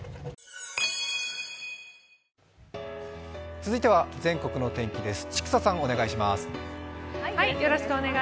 続いては全国の天気です。